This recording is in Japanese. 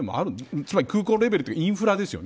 つまり空港レベルってインフラですよね。